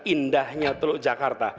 indahnya teluk jakarta